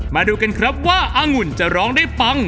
มาดูกันครับว่าอังุ่นจะร้องได้ปัง